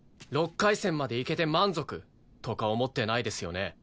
６回戦まで行けて満足とか思ってないですよね？